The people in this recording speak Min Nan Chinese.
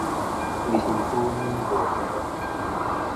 規身軀軟膏膏